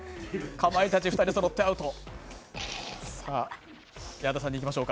かまいたち２人そろってアウト。